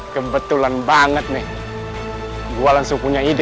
kebetulan banget nih gue langsung punya ide